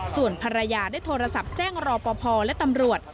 ส่วนภรรยาได้โทรศัพท์แจ้งรอปภและตำรวจ